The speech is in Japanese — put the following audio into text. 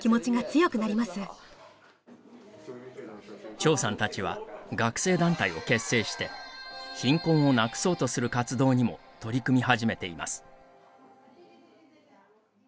張さんたちは学生団体を結成して貧困をなくそうとする活動にも取り組み始めています。